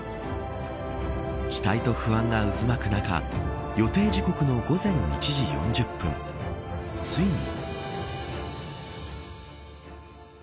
期待と不安が渦巻く中予定時刻の午前１時４０分ついに。